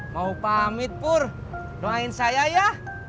mau pamit pur doain saya ya